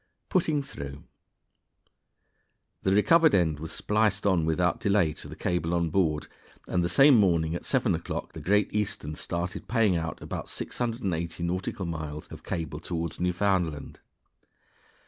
"Putting Through." The recovered end was spliced on without delay to the cable on board, and the same morning at seven o'clock the Great Eastern started paying out about 680 nautical miles of cable toward Newfoundland.